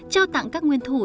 cho tặng các nguyên thủ